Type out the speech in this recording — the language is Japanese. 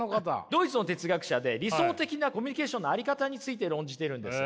ドイツの哲学者で理想的なコミュニケーションの在り方について論じてるんです。